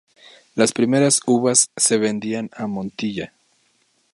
Las primeras uvas se vendían a Montilla.